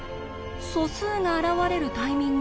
素数が現れるタイミング